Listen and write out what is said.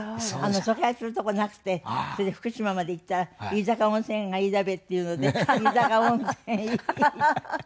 疎開するとこなくてそれで福島まで行ったら「飯坂温泉がいいだべ」っていうので飯坂温泉へ行って。